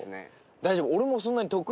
大丈夫。